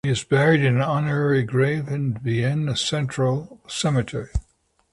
He is buried in an honorary grave in Vienna Central Cemetery.